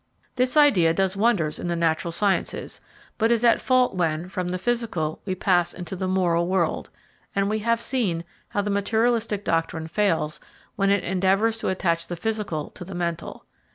This idea does wonders in the natural sciences, but is at fault when, from the physical, we pass into the moral world, and we have seen how the materialistic doctrine fails when it endeavours to attach the physical to the mental.